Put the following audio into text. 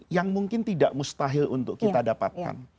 yang mungkin tidak mustahil untuk kita dapatkan